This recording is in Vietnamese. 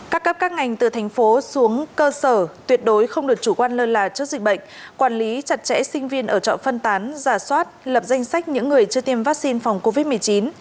các cấp các ngành từ thành phố xuống cơ sở tuyệt đối không được chủ quan lơ là trước dịch bệnh quản lý chặt chẽ sinh viên ở trọ phân tán giả soát lập danh sách những người chưa tiêm vaccine phòng covid một mươi chín